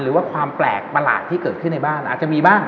หรือว่าความแปลกประหลาดที่เกิดขึ้นในบ้าน